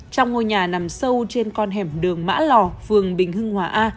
trong ngôi nhà nằm sâu trên con hẻm đường mã lò phường bình hưng hòa a